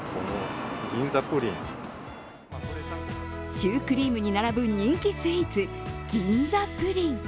シュークリームに並ぶ人気スイーツ、銀座プリン。